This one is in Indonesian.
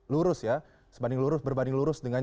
lulus ya seperti lurus berbanding lurus dengan